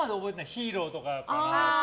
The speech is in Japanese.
ヒーローとかかな。